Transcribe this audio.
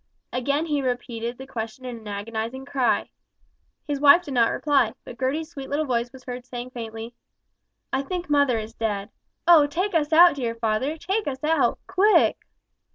Again he repeated the question in an agonising cry. His wife did not reply, but Gertie's sweet little voice was heard saying faintly "I think mother is dead. Oh, take us out, dear father, take us out, quick!"